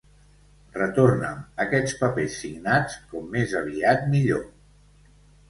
Retorna'm aquests papers signats com més aviat millor.